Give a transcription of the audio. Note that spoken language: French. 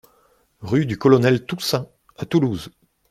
Rue du Colonel Toussaint à Toulouse